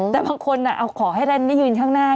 แต่บางคนเอาขอให้ท่านได้ยืนข้างหน้า